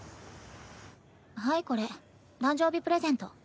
はいこれ誕生日プレゼント。